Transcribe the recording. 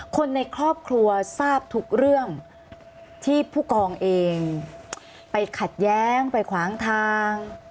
คนในครอบครัวทราบทุกเรื่องที่ผู้กองเองไปขัดแย้งไปขวางทาง